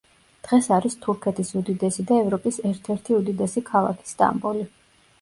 დღეს არის თურქეთის უდიდესი და ევროპის ერთ-ერთი უდიდესი ქალაქი სტამბოლი.